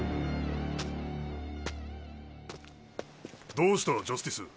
どうしたジャスティス。